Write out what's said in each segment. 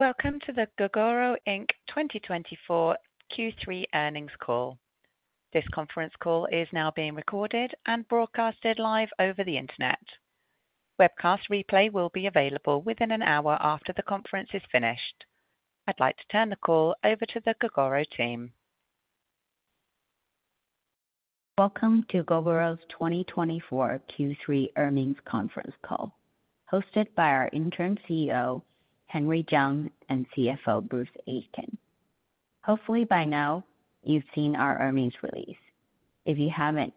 Welcome to the Gogoro Inc. 2024 Q3 earnings call. This conference call is now being recorded and broadcasted live over the internet. Webcast replay will be available within an hour after the conference is finished. I'd like to turn the call over to the Gogoro team. Welcome to Gogoro's 2024 Q3 earnings conference call, hosted by our Interim CEO, Henry Chiang, and CFO, Bruce Aitken. Hopefully, by now, you've seen our earnings release. If you haven't,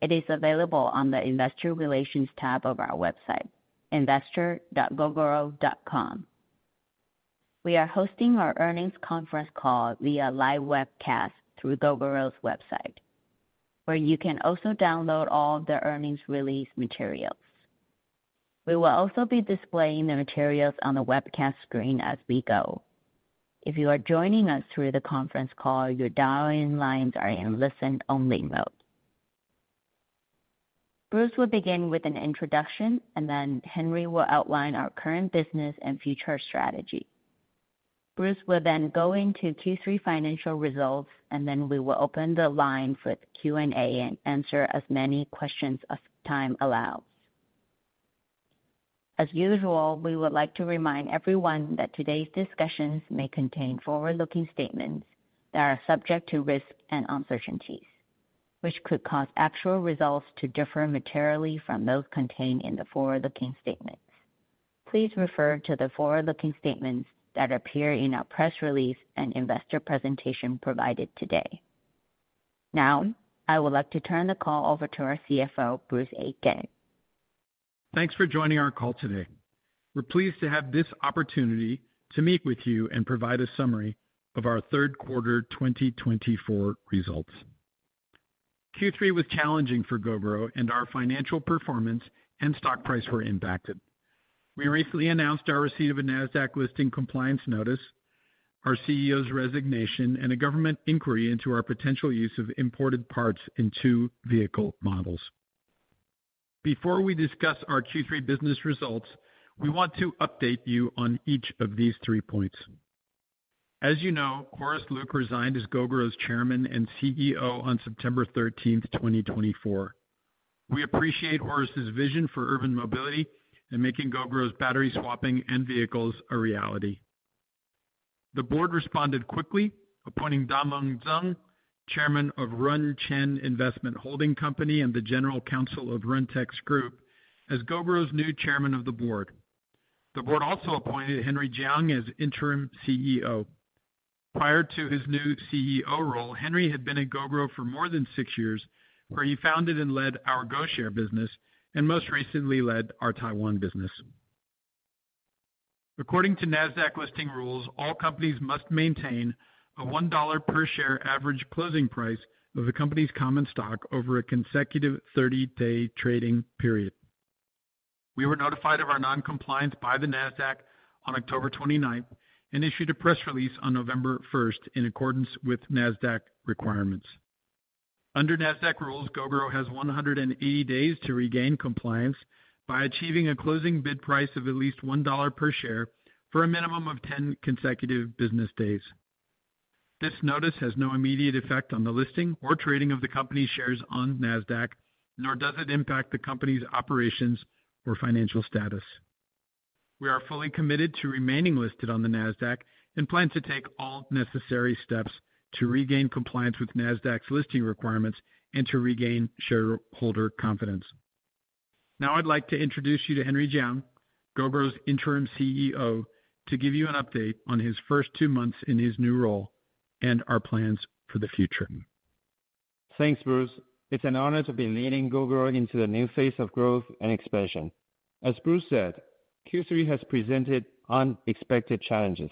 it is available on the investor relations tab of our website, investor.gogoro.com. We are hosting our earnings conference call via live webcast through Gogoro's website, where you can also download all of the earnings release materials. We will also be displaying the materials on the webcast screen as we go. If you are joining us through the conference call, your dial-in lines are in listen-only mode. Bruce will begin with an introduction, and then Henry will outline our current business and future strategy. Bruce will then go into Q3 financial results, and then we will open the line for Q&A and answer as many questions as time allows. As usual, we would like to remind everyone that today's discussions may contain forward-looking statements that are subject to risk and uncertainties, which could cause actual results to differ materially from those contained in the forward-looking statements. Please refer to the forward-looking statements that appear in our press release and investor presentation provided today. Now, I would like to turn the call over to our CFO, Bruce Aitken. Thanks for joining our call today. We're pleased to have this opportunity to meet with you and provide a summary of our third quarter 2024 results. Q3 was challenging for Gogoro, and our financial performance and stock price were impacted. We recently announced our receipt of a NASDAQ-listing compliance notice, our CEO's resignation, and a government inquiry into our potential use of imported parts in two vehicle models. Before we discuss our Q3 business results, we want to update you on each of these three points. As you know, Horace Luke resigned as Gogoro's chairman and CEO on September 13, 2024. We appreciate Horace's vision for urban mobility and making Gogoro's battery swapping and vehicles a reality. The board responded quickly, appointing Tamon Tseng, chairman of Ruen Chen Investment Holding Company and the general counsel of Ruentex Group, as Gogoro's new chairman of the board. The board also appointed Henry Chiang as Interim CEO. Prior to his new CEO role, Henry had been at Gogoro for more than 6 years, where he founded and led our GoShare business and most recently led our Taiwan business. According to NASDAQ-listing rules, all companies must maintain a $1 per share average closing price of the company's common stock over a consecutive 30-day trading period. We were notified of our noncompliance by the NASDAQ on October 29 and issued a press release on November 1 in accordance with NASDAQ requirements. Under NASDAQ rules, Gogoro has 180 days to regain compliance by achieving a closing bid price of at least $1 per share for a minimum of 10 consecutive business days. This notice has no immediate effect on the listing or trading of the company's shares on NASDAQ, nor does it impact the company's operations or financial status. We are fully committed to remaining listed on the NASDAQ and plan to take all necessary steps to regain compliance with NASDAQ's listing requirements and to regain shareholder confidence. Now, I'd like to introduce you to Henry Chiang, Gogoro's Interim CEO, to give you an update on his first two months in his new role and our plans for the future. Thanks, Bruce. It's an honor to be leading Gogoro into the new phase of growth and expansion. As Bruce said, Q3 has presented unexpected challenges,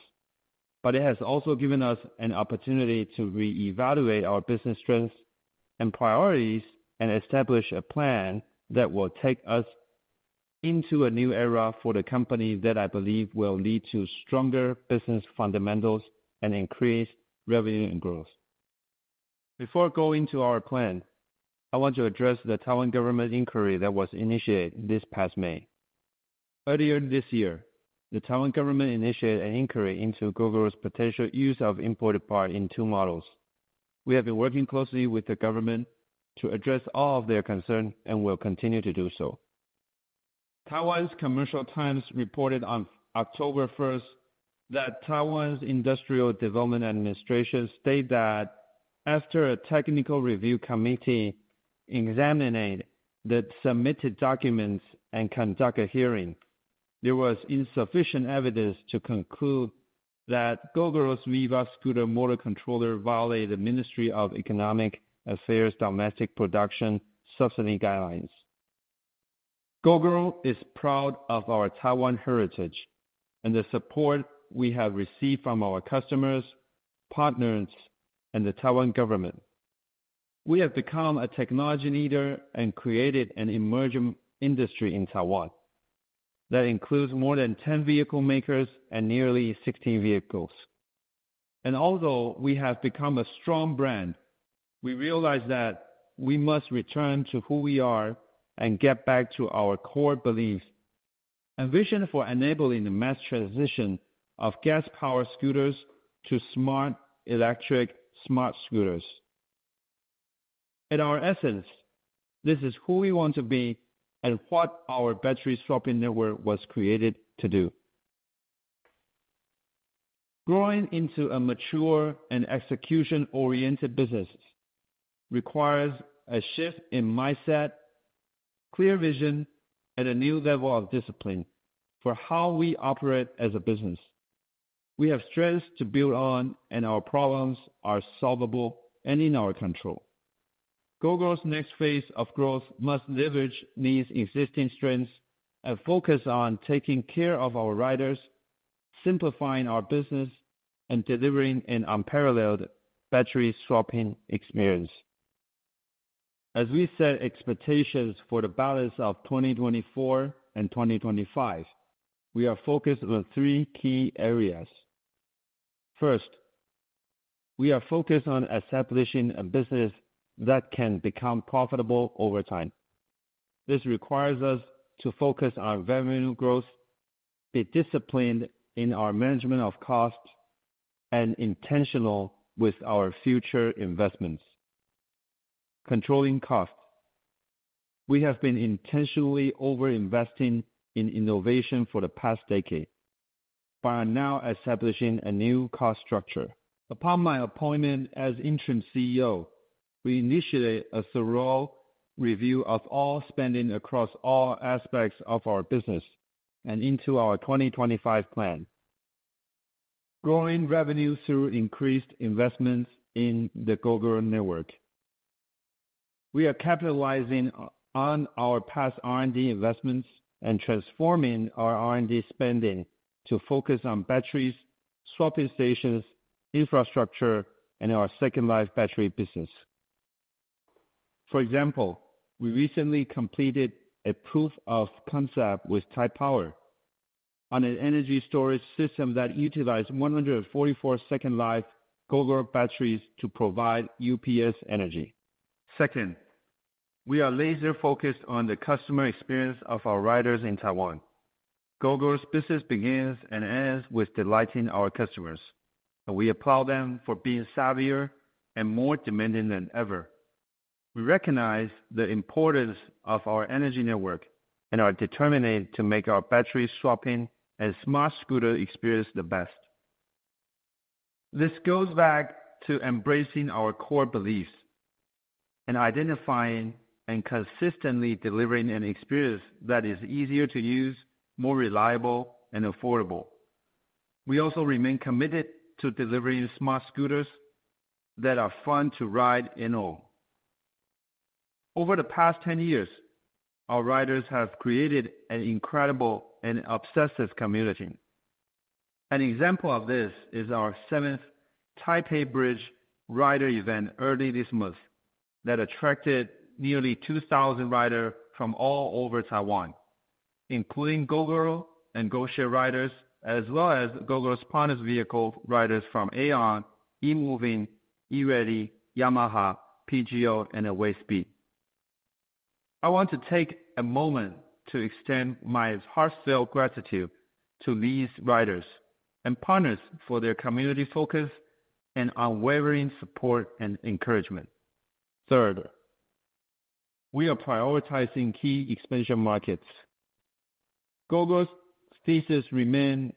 but it has also given us an opportunity to reevaluate our business strengths and priorities and establish a plan that will take us into a new era for the company that I believe will lead to stronger business fundamentals and increased revenue and growth. Before going to our plan, I want to address the Taiwan government inquiry that was initiated this past May. Earlier this year, the Taiwan government initiated an inquiry into Gogoro's potential use of imported parts in two models. We have been working closely with the government to address all of their concerns and will continue to do so. Taiwan's Commercial Times reported on October 1 that Taiwan's Industrial Development Administration stated that after a technical review committee examined the submitted documents and conducted a hearing, there was insufficient evidence to conclude that Gogoro's Viva Scooter Motor Controller violated the Ministry of Economic Affairs' domestic production subsidy guidelines. Gogoro is proud of our Taiwan heritage and the support we have received from our customers, partners, and the Taiwan government. We have become a technology leader and created an emerging industry in Taiwan that includes more than 10 vehicle makers and nearly 16 vehicles. And although we have become a strong brand, we realize that we must return to who we are and get back to our core beliefs and vision for enabling the mass transition of gas-powered scooters to smart electric smart scooters. At our essence, this is who we want to be and what our battery swapping network was created to do. Growing into a mature and execution-oriented business requires a shift in mindset, clear vision, and a new level of discipline for how we operate as a business. We have strengths to build on, and our problems are solvable and in our control. Gogoro's next phase of growth must leverage these existing strengths and focus on taking care of our riders, simplifying our business, and delivering an unparalleled battery swapping experience. As we set expectations for the balance of 2024 and 2025, we are focused on three key areas. First, we are focused on establishing a business that can become profitable over time. This requires us to focus on revenue growth, be disciplined in our management of costs, and intentional with our future investments. Controlling costs. We have been intentionally over-investing in innovation for the past decade, but are now establishing a new cost structure. Upon my appointment as Interim CEO, we initiated a thorough review of all spending across all aspects of our business and into our 2025 plan, growing revenue through increased investments in the Gogoro Network. We are capitalizing on our past R&D investments and transforming our R&D spending to focus on batteries, swapping stations, infrastructure, and our second-life battery business. For example, we recently completed a proof of concept with Taipower on an energy storage system that utilized 144 second-life Gogoro batteries to provide UPS energy. Second, we are laser-focused on the customer experience of our riders in Taiwan. Gogoro's business begins and ends with delighting our customers, and we applaud them for being savvier and more demanding than ever. We recognize the importance of our energy network and are determined to make our battery swapping and smart scooter experience the best. This goes back to embracing our core beliefs and identifying and consistently delivering an experience that is easier to use, more reliable, and affordable. We also remain committed to delivering smart scooters that are fun to ride and own. Over the past 10 years, our riders have created an incredible and obsessive community. An example of this is our seventh Taipei Bridge Rider event early this month that attracted nearly 2,000 riders from all over Taiwan, including Gogoro and GoShare riders, as well as Gogoro's partner vehicle riders from Aeon, eMOVING, eReady, Yamaha, PGO, and Awayspeed. I want to take a moment to extend my heartfelt gratitude to these riders and partners for their community focus and unwavering support and encouragement. Third, we are prioritizing key expansion markets. Gogoro's thesis remains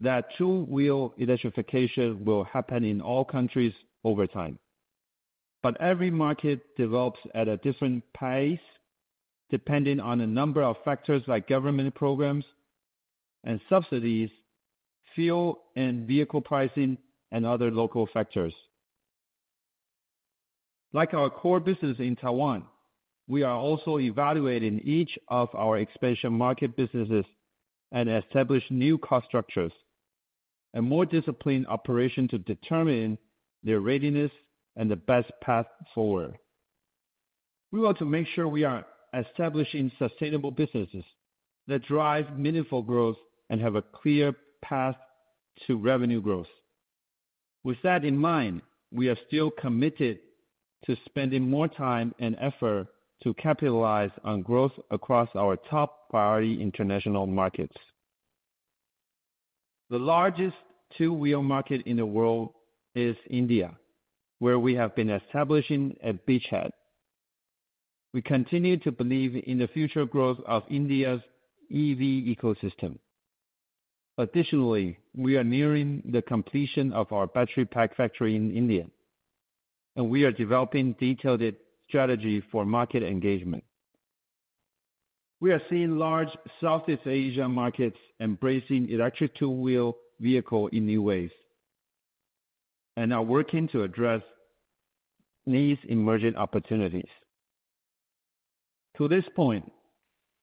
that two-wheel electrification will happen in all countries over time, but every market develops at a different pace depending on a number of factors like government programs and subsidies, fuel and vehicle pricing, and other local factors. Like our core business in Taiwan, we are also evaluating each of our expansion market businesses and establishing new cost structures and more disciplined operations to determine their readiness and the best path forward. We want to make sure we are establishing sustainable businesses that drive meaningful growth and have a clear path to revenue growth. With that in mind, we are still committed to spending more time and effort to capitalize on growth across our top priority international markets. The largest two-wheel market in the world is India, where we have been establishing a beachhead. We continue to believe in the future growth of India's EV ecosystem. Additionally, we are nearing the completion of our battery pack factory in India, and we are developing a detailed strategy for market engagement. We are seeing large Southeast Asian markets embracing electric two-wheel vehicles in new ways and are working to address these emerging opportunities. To this point,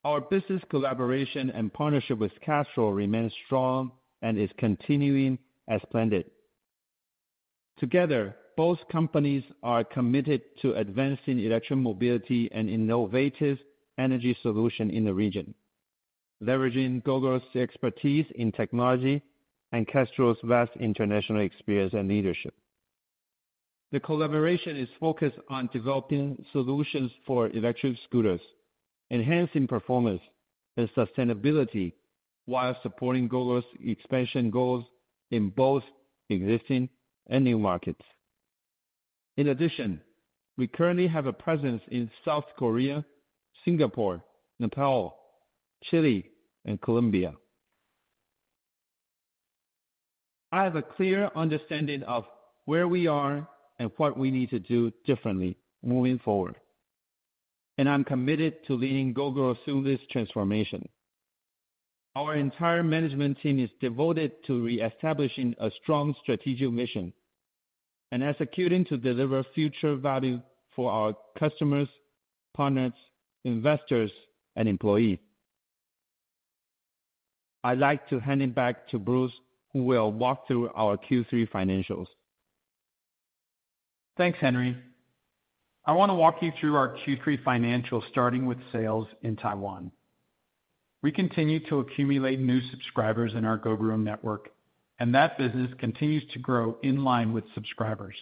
our business collaboration and partnership with Castrol remains strong and is continuing as planned. Together, both companies are committed to advancing electric mobility and innovative energy solutions in the region, leveraging Gogoro's expertise in technology and Castrol's vast international experience and leadership. The collaboration is focused on developing solutions for electric scooters, enhancing performance and sustainability while supporting Gogoro's expansion goals in both existing and new markets. In addition, we currently have a presence in South Korea, Singapore, Nepal, Chile, and Colombia. I have a clear understanding of where we are and what we need to do differently moving forward, and I'm committed to leading Gogoro through this transformation. Our entire management team is devoted to reestablishing a strong strategic mission and executing to deliver future value for our customers, partners, investors, and employees. I'd like to hand it back to Bruce, who will walk through our Q3 financials. Thanks, Henry. I want to walk you through our Q3 financials starting with sales in Taiwan. We continue to accumulate new subscribers in our Gogoro Network, and that business continues to grow in line with subscribers.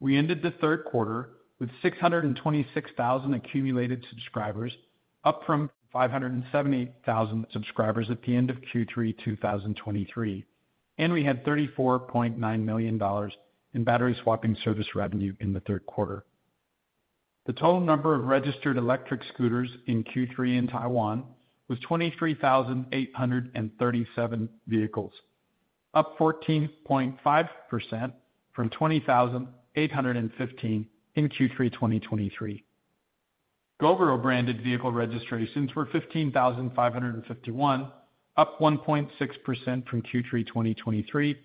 We ended the third quarter with 626,000 accumulated subscribers, up from 570,000 subscribers at the end of Q3 2023, and we had $34.9 million in battery swapping service revenue in the third quarter. The total number of registered electric scooters in Q3 in Taiwan was 23,837 vehicles, up 14.5% from 20,815 in Q3 2023. Gogoro-branded vehicle registrations were 15,551, up 1.6% from Q3 2023,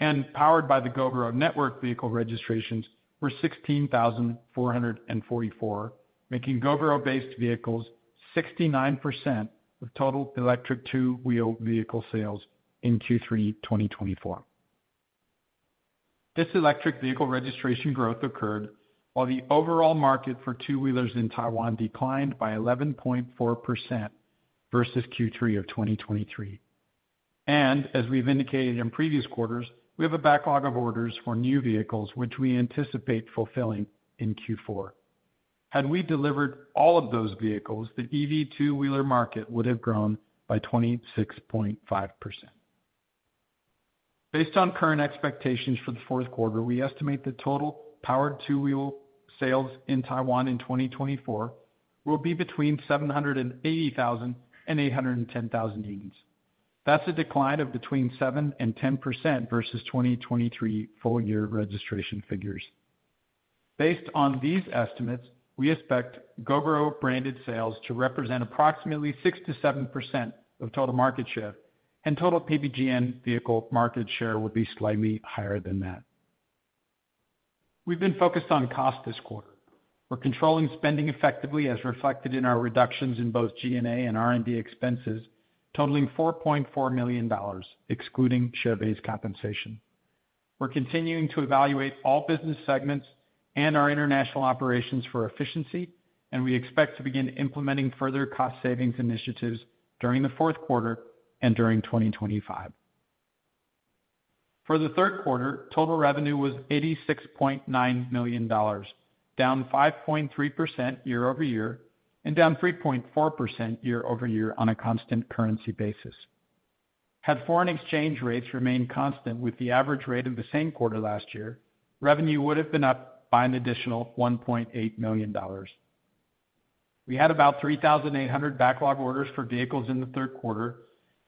and powered by the Gogoro Network vehicle registrations were 16,444, making Gogoro-based vehicles 69% of total electric two-wheel vehicle sales in Q3 2024. This electric vehicle registration growth occurred while the overall market for two-wheelers in Taiwan declined by 11.4% versus Q3 of 2023. As we've indicated in previous quarters, we have a backlog of orders for new vehicles, which we anticipate fulfilling in Q4. Had we delivered all of those vehicles, the EV two-wheeler market would have grown by 26.5%. Based on current expectations for the fourth quarter, we estimate the total powered two-wheeler sales in Taiwan in 2024 will be between 780,000 and 810,000 units. That's a decline of between 7% and 10% versus 2023 full-year registration figures. Based on these estimates, we expect Gogoro-branded sales to represent approximately 6% to 7% of total market share, and total PBGN vehicle market share will be slightly higher than that. We've been focused on costs this quarter. We're controlling spending effectively, as reflected in our reductions in both G&A and R&D expenses, totaling $4.4 million, excluding share-based compensation. We're continuing to evaluate all business segments and our international operations for efficiency, and we expect to begin implementing further cost savings initiatives during the fourth quarter and during 2025. For the third quarter, total revenue was $86.9 million, down 5.3% year over year and down 3.4% year over year on a constant currency basis. Had foreign exchange rates remained constant with the average rate of the same quarter last year, revenue would have been up by an additional $1.8 million. We had about 3,800 backlog orders for vehicles in the third quarter,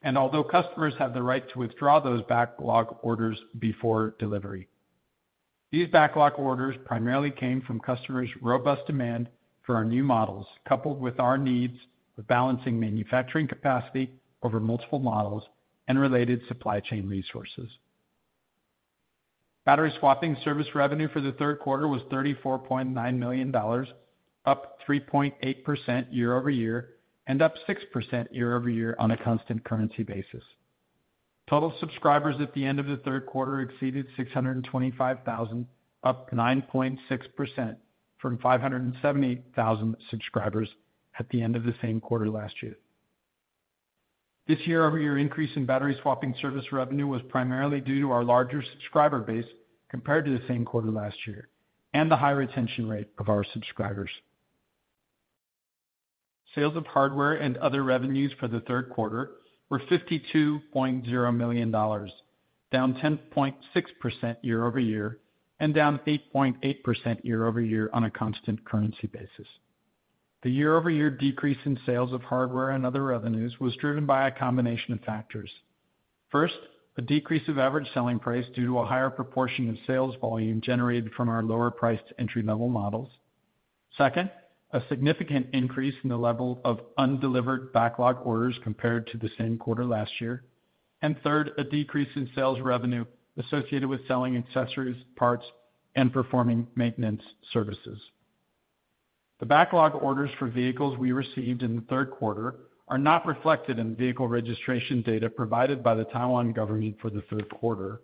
and although customers have the right to withdraw those backlog orders before delivery, these backlog orders primarily came from customers' robust demand for our new models, coupled with our needs for balancing manufacturing capacity over multiple models and related supply chain resources. Battery swapping service revenue for the third quarter was $34.9 million, up 3.8% year over year and up 6% year over year on a constant currency basis. Total subscribers at the end of the third quarter exceeded 625,000, up 9.6% from 570,000 subscribers at the end of the same quarter last year. This year-over-year increase in battery swapping service revenue was primarily due to our larger subscriber base compared to the same quarter last year and the high retention rate of our subscribers. Sales of hardware and other revenues for the third quarter were $52.0 million, down 10.6% year over year and down 8.8% year over year on a constant currency basis. The year-over-year decrease in sales of hardware and other revenues was driven by a combination of factors. First, a decrease of average selling price due to a higher proportion of sales volume generated from our lower-priced entry-level models. Second, a significant increase in the level of undelivered backlog orders compared to the same quarter last year. And third, a decrease in sales revenue associated with selling accessories, parts, and performing maintenance services. The backlog orders for vehicles we received in the third quarter are not reflected in vehicle registration data provided by the Taiwan government for the third quarter,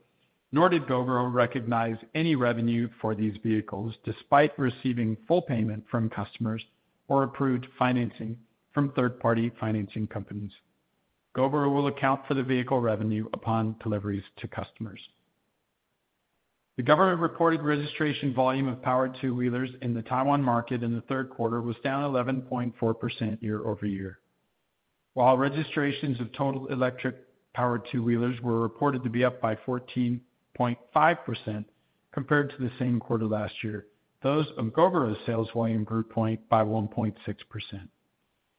nor did Gogoro recognize any revenue for these vehicles despite receiving full payment from customers or approved financing from third-party financing companies. Gogoro will account for the vehicle revenue upon deliveries to customers. The government reported registration volume of powered two-wheelers in the Taiwan market in the third quarter was down 11.4% year over year, while registrations of total electric powered two-wheelers were reported to be up by 14.5% compared to the same quarter last year. Those of Gogoro's sales volume grew by 1.6%.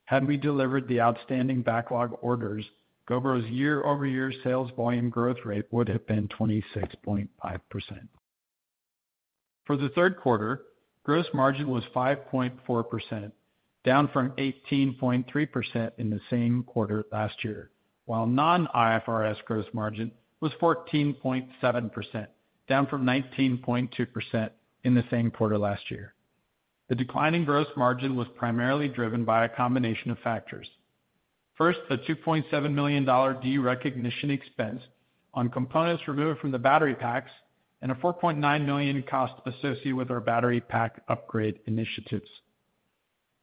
Had we delivered the outstanding backlog orders, Gogoro's year-over-year sales volume growth rate would have been 26.5%. For the third quarter, gross margin was 5.4%, down from 18.3% in the same quarter last year, while Non-IFRS gross margin was 14.7%, down from 19.2% in the same quarter last year. The declining gross margin was primarily driven by a combination of factors. First, a $2.7 million derecognition expense on components removed from the battery packs and a $4.9 million cost associated with our battery pack upgrade initiatives.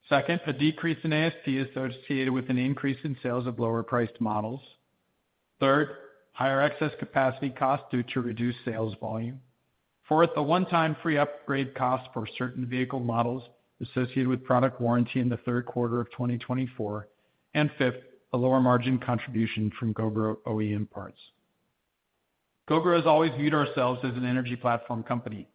Second, a decrease in ASP associated with an increase in sales of lower-priced models. Third, higher excess capacity costs due to reduced sales volume. Fourth, a one-time free upgrade cost for certain vehicle models associated with product warranty in the third quarter of 2024, and fifth, a lower margin contribution from Gogoro OEM parts. Gogoro has always viewed ourselves as an energy platform company.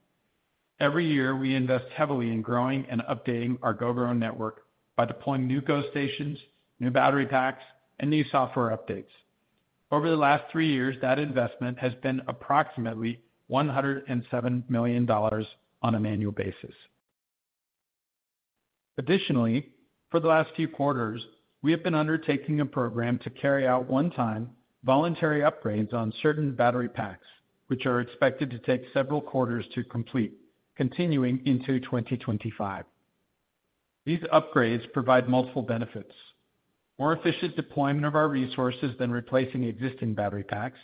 Every year, we invest heavily in growing and updating our Gogoro Network by deploying new GoStations, new battery packs, and new software updates. Over the last three years, that investment has been approximately $107 million on an annual basis. Additionally, for the last few quarters, we have been undertaking a program to carry out one-time voluntary upgrades on certain battery packs, which are expected to take several quarters to complete, continuing into 2025. These upgrades provide multiple benefits: more efficient deployment of our resources than replacing existing battery packs,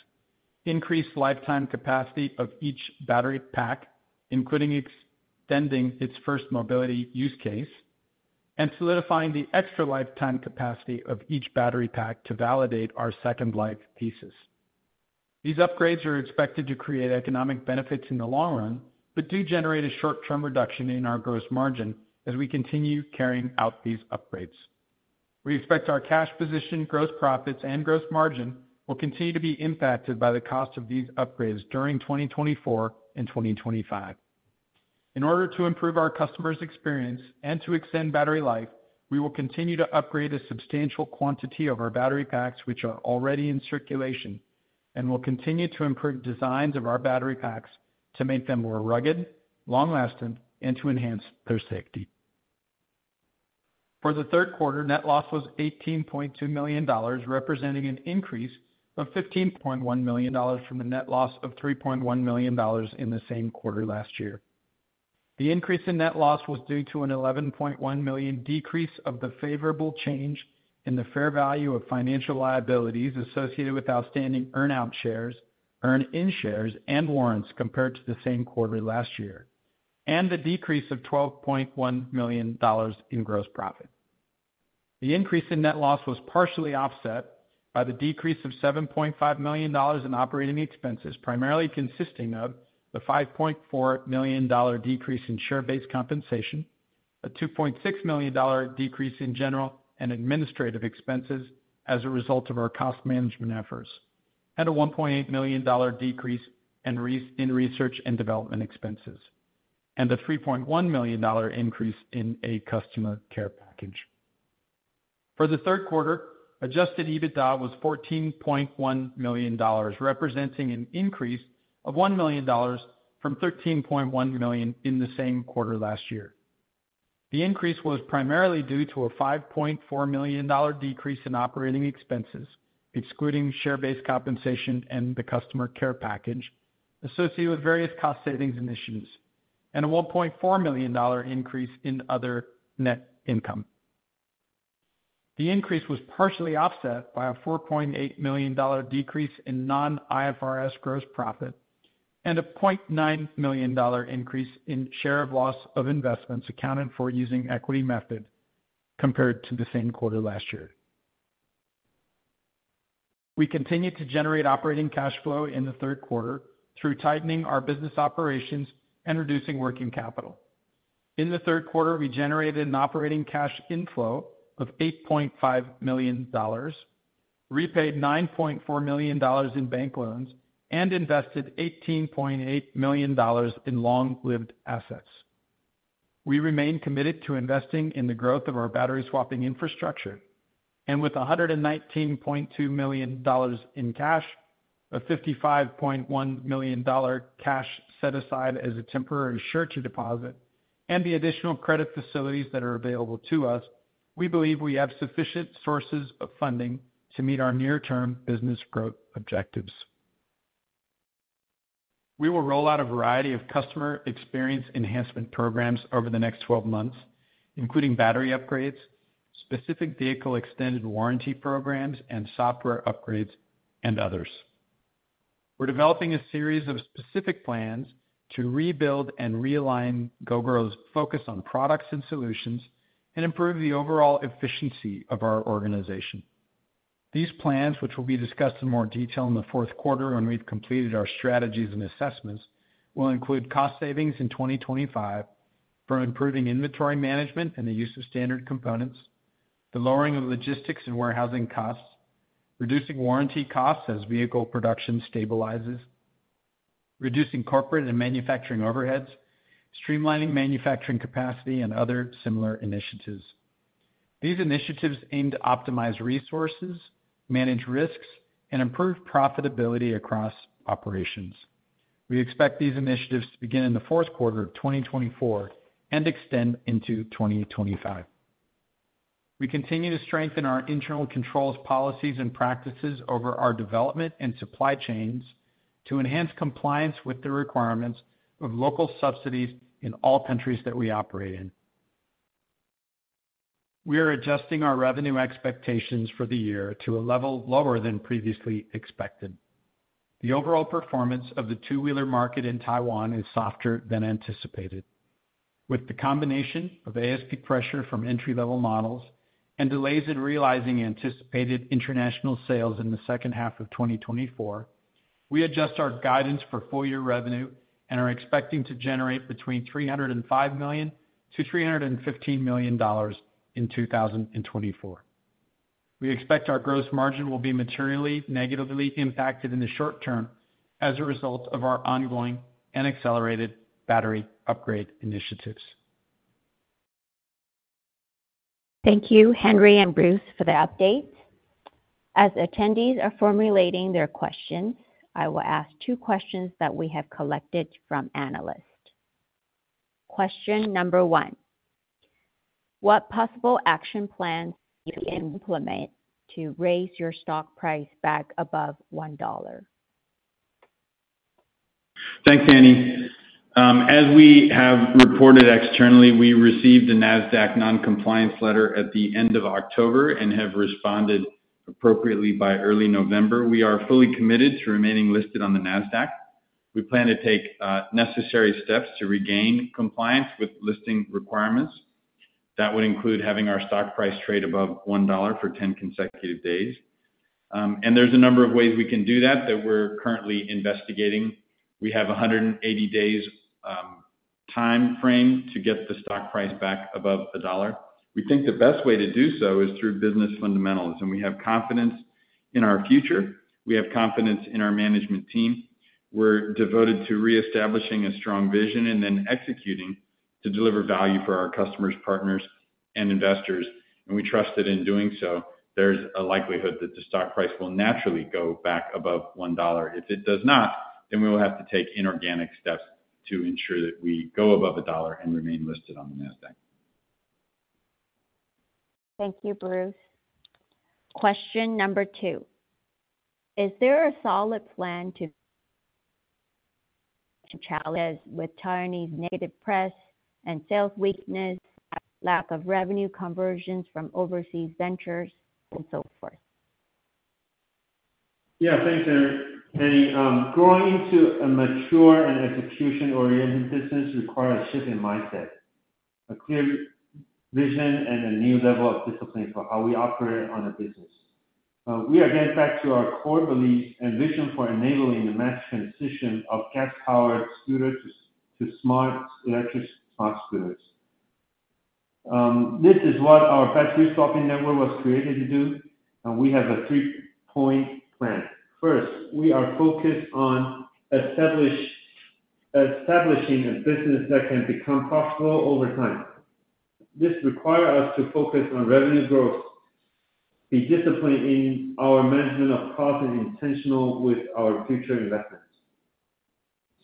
increased lifetime capacity of each battery pack, including extending its first mobility use case, and solidifying the extra lifetime capacity of each battery pack to validate our second-life pieces. These upgrades are expected to create economic benefits in the long run but do generate a short-term reduction in our gross margin as we continue carrying out these upgrades. We expect our cash position, gross profits, and gross margin will continue to be impacted by the cost of these upgrades during 2024 and 2025. In order to improve our customers' experience and to extend battery life, we will continue to upgrade a substantial quantity of our battery packs, which are already in circulation, and will continue to improve designs of our battery packs to make them more rugged, long-lasting, and to enhance their safety. For the third quarter, net loss was $18.2 million, representing an increase of $15.1 million from the net loss of $3.1 million in the same quarter last year. The increase in net loss was due to an $11.1 million decrease of the favorable change in the fair value of financial liabilities associated with outstanding earn-out shares, earn-in shares, and warrants compared to the same quarter last year, and the decrease of $12.1 million in gross profit. The increase in net loss was partially offset by the decrease of $7.5 million in operating expenses, primarily consisting of the $5.4 million decrease in share-based compensation, a $2.6 million decrease in general and administrative expenses as a result of our cost management efforts, and a $1.8 million decrease in research and development expenses, and a $3.1 million increase in a customer care package. For the third quarter, Adjusted EBITDA was $14.1 million, representing an increase of $1 million from $13.1 million in the same quarter last year. The increase was primarily due to a $5.4 million decrease in operating expenses, excluding share-based compensation and the customer care package, associated with various cost savings initiatives, and a $1.4 million increase in other net income. The increase was partially offset by a $4.8 million decrease in non-IFRS gross profit and a $0.9 million increase in share of loss of investments accounted for using equity method compared to the same quarter last year. We continued to generate operating cash flow in the third quarter through tightening our business operations and reducing working capital. In the third quarter, we generated an operating cash inflow of $8.5 million, repaid $9.4 million in bank loans, and invested $18.8 million in long-lived assets. We remained committed to investing in the growth of our battery swapping infrastructure, and with $119.2 million in cash, a $55.1 million cash set aside as a temporary surety deposit, and the additional credit facilities that are available to us, we believe we have sufficient sources of funding to meet our near-term business growth objectives. We will roll out a variety of customer experience enhancement programs over the next 12 months, including battery upgrades, specific vehicle extended warranty programs, and software upgrades, and others. We're developing a series of specific plans to rebuild and realign Gogoro's focus on products and solutions and improve the overall efficiency of our organization. These plans, which will be discussed in more detail in the fourth quarter when we've completed our strategies and assessments, will include cost savings in 2025 for improving inventory management and the use of standard components, the lowering of logistics and warehousing costs, reducing warranty costs as vehicle production stabilizes, reducing corporate and manufacturing overheads, streamlining manufacturing capacity, and other similar initiatives. These initiatives aim to optimize resources, manage risks, and improve profitability across operations. We expect these initiatives to begin in the fourth quarter of 2024 and extend into 2025. We continue to strengthen our internal controls policies and practices over our development and supply chains to enhance compliance with the requirements of local subsidies in all countries that we operate in. We are adjusting our revenue expectations for the year to a level lower than previously expected. The overall performance of the two-wheeler market in Taiwan is softer than anticipated. With the combination of ASP pressure from entry-level models and delays in realizing anticipated international sales in the second half of 2024, we adjust our guidance for full-year revenue and are expecting to generate between $305-$315 million in 2024. We expect our gross margin will be materially negatively impacted in the short term as a result of our ongoing and accelerated battery upgrade initiatives. Thank you, Henry and Bruce, for the update. As attendees are formulating their questions, I will ask two questions that we have collected from analysts. Question number one: What possible action plans do you implement to raise your stock price back above $1? Thanks, Annie. As we have reported externally, we received a NASDAQ non-compliance letter at the end of October and have responded appropriately by early November. We are fully committed to remaining listed on the NASDAQ. We plan to take necessary steps to regain compliance with listing requirements. That would include having our stock price trade above $1 for 10 consecutive days, and there's a number of ways we can do that that we're currently investigating. We have a 180-day time frame to get the stock price back above $1. We think the best way to do so is through business fundamentals, and we have confidence in our future. We have confidence in our management team. We're devoted to reestablishing a strong vision and then executing to deliver value for our customers, partners, and investors, and we trust that in doing so, there's a likelihood that the stock price will naturally go back above $1. If it does not, then we will have to take inorganic steps to ensure that we go above $1 and remain listed on the NASDAQ. Thank you, Bruce. Question number two: Is there a solid plan to challenge with Taiwanese negative press and sales weakness, lack of revenue conversions from overseas ventures, and so forth? Yeah, thanks, Henry. Henry, growing into a mature and execution-oriented business requires a shift in mindset, a clear vision, and a new level of discipline for how we operate on a business. We are getting back to our core beliefs and vision for enabling the mass transition of gas-powered scooters to smart electric scooters. This is what our battery swapping network was created to do, and we have a three-point plan. First, we are focused on establishing a business that can become profitable over time. This requires us to focus on revenue growth, be disciplined in our management of costs, and intentional with our future investments.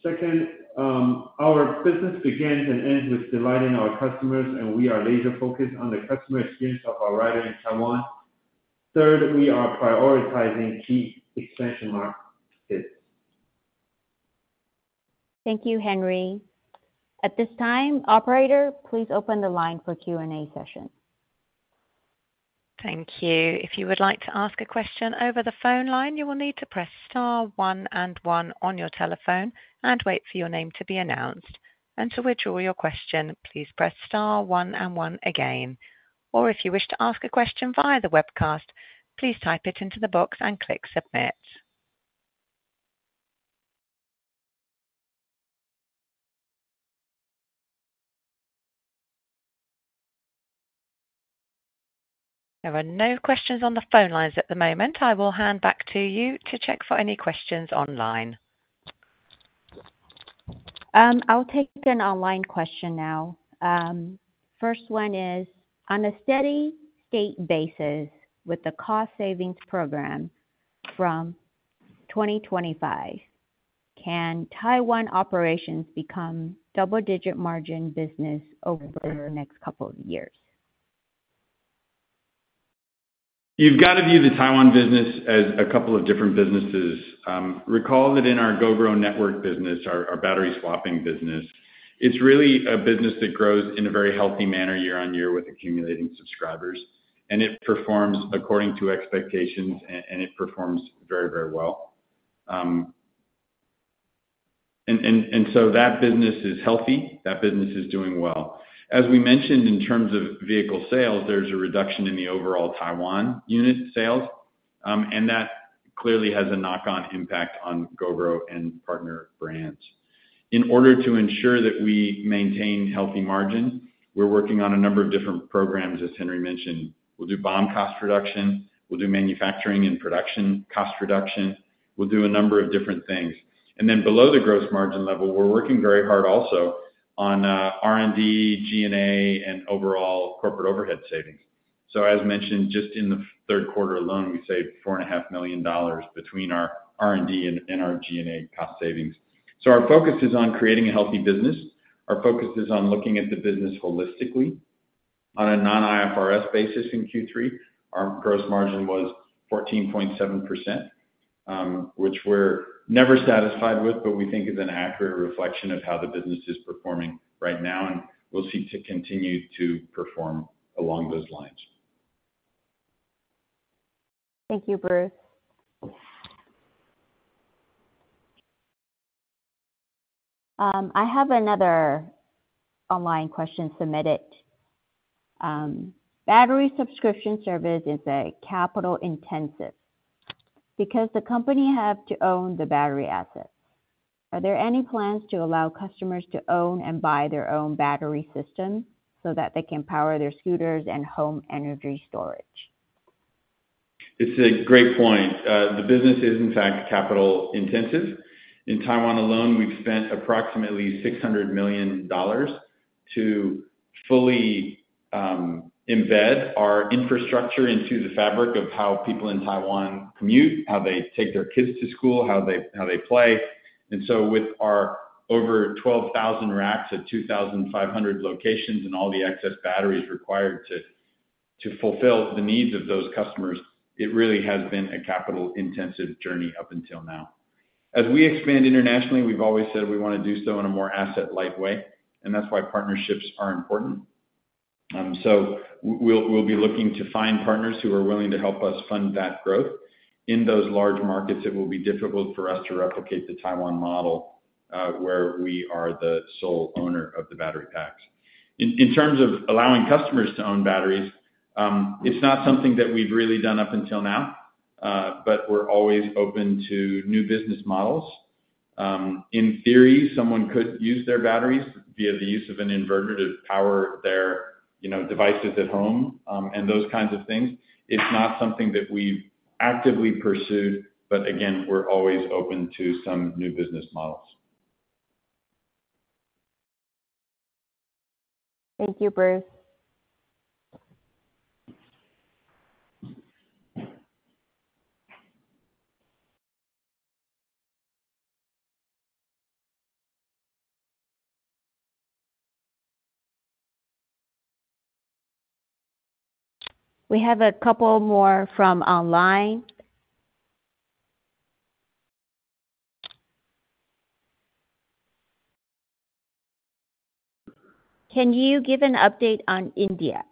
Second, our business begins and ends with delighting our customers, and we are laser-focused on the customer experience of our rider in Taiwan. Third, we are prioritizing key expansion markets. Thank you, Henry. At this time, operator, please open the line for Q&A session. Thank you. If you would like to ask a question over the phone line, you will need to press star one and one on your telephone and wait for your name to be announced. Until we draw your question, please press star one and one again. Or if you wish to ask a question via the webcast, please type it into the box and click submit. There are no questions on the phone lines at the moment. I will hand back to you to check for any questions online. I'll take an online question now. First one is: On a steady state basis with the cost savings program from 2025, can Taiwan operations become double-digit margin business over the next couple of years? You've got to view the Taiwan business as a couple of different businesses. Recall that in our Gogoro Network business, our battery swapping business, it's really a business that grows in a very healthy manner year on year with accumulating subscribers. And it performs according to expectations, and it performs very, very well. And so that business is healthy. That business is doing well. As we mentioned, in terms of vehicle sales, there's a reduction in the overall Taiwan unit sales. And that clearly has a knock-on impact on Gogoro and partner brands. In order to ensure that we maintain healthy margins, we're working on a number of different programs, as Henry mentioned. We'll do BOM cost reduction. We'll do manufacturing and production cost reduction. We'll do a number of different things, and then below the gross margin level, we're working very hard also on R&D, G&A, and overall corporate overhead savings. So, as mentioned, just in the third quarter alone, we saved $4.5 million between our R&D and our G&A cost savings. So our focus is on creating a healthy business. Our focus is on looking at the business holistically. On a Non-IFRS basis in Q3, our gross margin was 14.7%, which we're never satisfied with, but we think is an accurate reflection of how the business is performing right now, and we'll seek to continue to perform along those lines. Thank you, Bruce. I have another online question submitted. Battery subscription service is capital-intensive. Because the company has to own the battery assets, are there any plans to allow customers to own and buy their own battery system so that they can power their scooters and home energy storage? It's a great point. The business is, in fact, capital-intensive. In Taiwan alone, we've spent approximately $600 million to fully embed our infrastructure into the fabric of how people in Taiwan commute, how they take their kids to school, how they play, and so with our over 12,000 racks at 2,500 locations and all the excess batteries required to fulfill the needs of those customers, it really has been a capital-intensive journey up until now. As we expand internationally, we've always said we want to do so in a more asset-light way, and that's why partnerships are important. So we'll be looking to find partners who are willing to help us fund that growth. In those large markets, it will be difficult for us to replicate the Taiwan model where we are the sole owner of the battery packs. In terms of allowing customers to own batteries, it's not something that we've really done up until now. But we're always open to new business models. In theory, someone could use their batteries via the use of an inverter to power their devices at home and those kinds of things. It's not something that we've actively pursued. But again, we're always open to some new business models. Thank you, Bruce. We have a couple more from online. Can you give an update on India?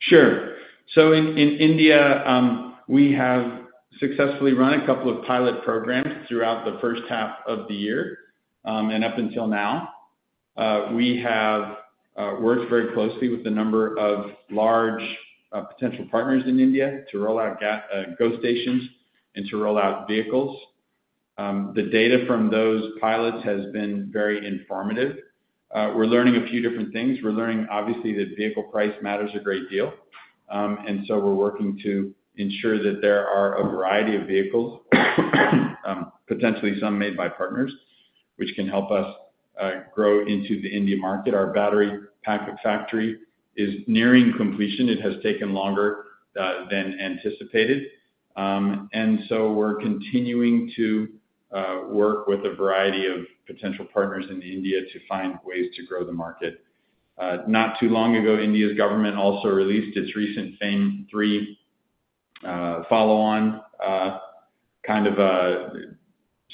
Sure. So in India, we have successfully run a couple of pilot programs throughout the first half of the year. And up until now, we have worked very closely with a number of large potential partners in India to roll out GoStations and to roll out vehicles. The data from those pilots has been very informative. We're learning a few different things. We're learning, obviously, that vehicle price matters a great deal. And so we're working to ensure that there are a variety of vehicles, potentially some made by partners, which can help us grow into the India market. Our battery pack factory is nearing completion. It has taken longer than anticipated. And so we're continuing to work with a variety of potential partners in India to find ways to grow the market. Not too long ago, India's government also released its recent FAME III follow-on kind of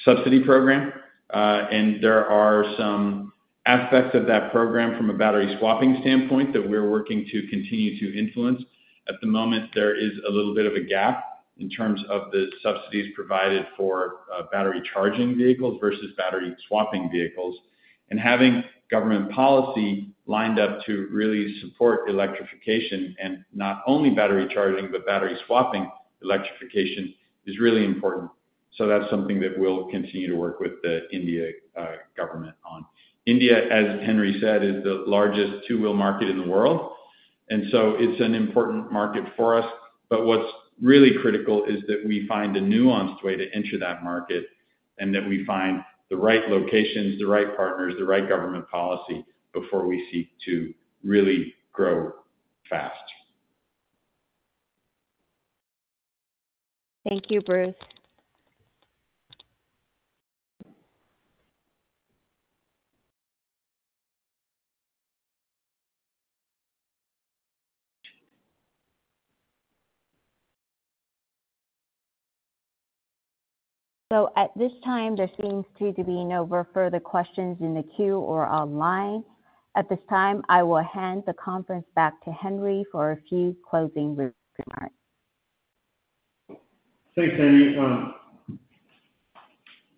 subsidy program. And there are some aspects of that program from a battery swapping standpoint that we're working to continue to influence. At the moment, there is a little bit of a gap in terms of the subsidies provided for battery charging vehicles versus battery swapping vehicles, and having government policy lined up to really support electrification and not only battery charging, but battery swapping electrification is really important, so that's something that we'll continue to work with the Indian government on. India, as Henry said, is the largest two-wheel market in the world, and so it's an important market for us, but what's really critical is that we find a nuanced way to enter that market and that we find the right locations, the right partners, the right government policy before we seek to really grow fast. Thank you, Bruce, so at this time, there seems to be no further questions in the queue or online. At this time, I will hand the conference back to Henry for a few closing remarks. Thanks, Annie.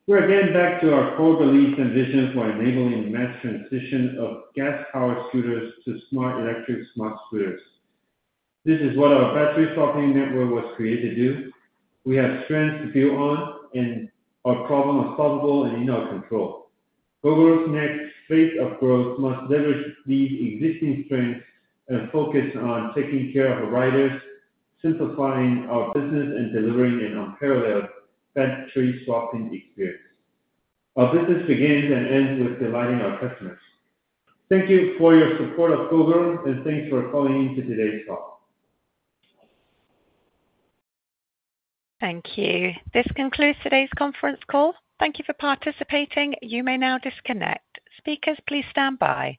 We're getting back to our core beliefs and vision for enabling mass transition of gas-powered scooters to smart electric scooters. This is what our battery swapping network was created to do. We have strengths to build on, and our problem is solvable and in our control. Gogoro's next phase of growth must leverage these existing strengths and focus on taking care of our riders, simplifying our business, and delivering an unparalleled battery swapping experience. Our business begins and ends with delighting our customers. Thank you for your support of Gogoro, and thanks for calling in to today's call. Thank you. This concludes today's conference call. Thank you for participating. You may now disconnect. Speakers, please stand by.